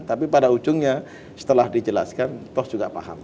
tapi pada ujungnya setelah dijelaskan toh juga paham